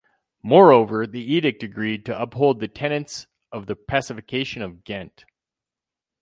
Moreover, the edict agreed to uphold the tenets of the Pacification of Ghent.